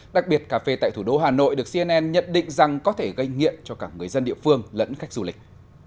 đặc biệt cà phê tại thủ đô hà nội được cnn nhận định rằng có thể gây nghiện cho cả người dân địa phương lẫn khách du lịch